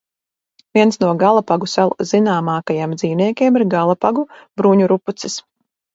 Viens no Galapagu salu zināmākajiem dzīvniekiem ir Galapagu bruņurupucis.